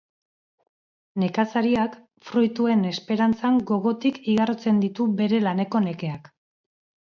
Nekazariak fruituen esperantzan gogotik igarotzen ditu bere laneko nekeak